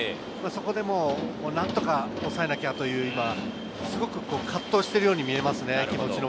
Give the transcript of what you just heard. そこで何とか抑えなきゃと、すごく葛藤しているように見えま